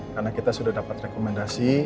karena kita sudah dapat rekomendasi